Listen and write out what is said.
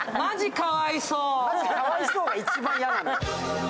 かわいそうが一番嫌なんだけど。